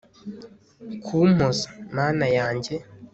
kumpoza. mana yanjye